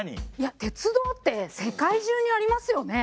鉄道って世界中にありますよね。